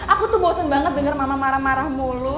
aku tuh bosen banget dengar mama marah marah mulu